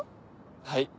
はい。